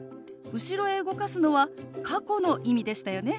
後ろへ動かすのは過去の意味でしたよね。